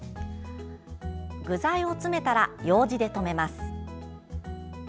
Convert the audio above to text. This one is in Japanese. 具材を詰めたらようじで留めます。